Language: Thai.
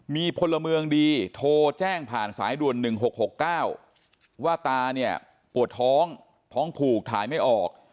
มีพลเมืองดีโทรแจ้งผ่านสายด่วน๑๖๖๙ว่าตาเนี่ยปวดท้องท้องผูกถ่ายไม่ออก